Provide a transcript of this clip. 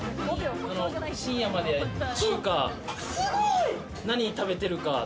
深夜まで中華、何食べてるか。